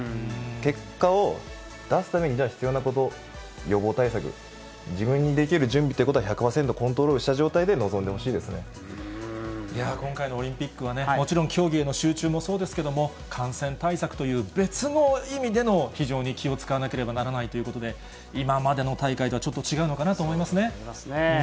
結果を出すために、じゃあ、必要なこと、予防対策、自分にできる準備ということは１００％コントロールした状態で今回のオリンピックはね、もちろん、競技への集中もそうですけれども、感染対策という別の意味での、非常に気を遣わなければならないということで、今までの大会とはそう思いますね。